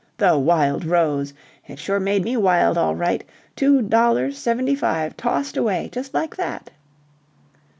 "'The Wild Rose!' It sure made me wild all right. Two dollars seventy five tossed away, just like that."